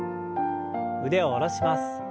腕を下ろします。